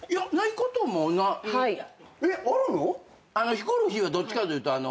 ヒコロヒーはどっちかというと。